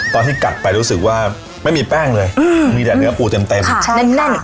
ตอนที่กัดไปรู้สึกว่าไม่มีแป้งเลยอืมมีแต่เนื้อปูเต็มเต็มค่ะแน่น